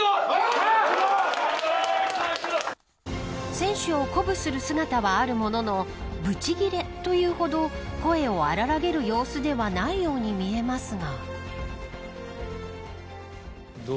選手を鼓舞する姿はあるもののブチ切れというほど声を荒げる様子にも見えないようにも見えますが。